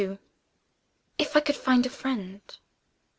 "IF I COULD FIND A FRIEND!"